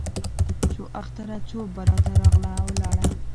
څو اختره څو براته راغله ولاړه